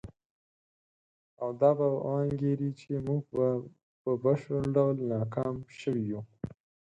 او دا به وانګیري چې موږ په بشپړ ډول ناکام شوي یو.